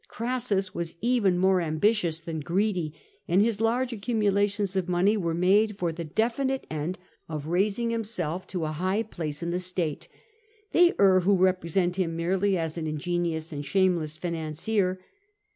Crassus was even more ambitious than greedy, and his huge accumu lations of money were made for the definite end of raising himself to a high place in the state. They err who represent him merely as an ingenious and shameless financier.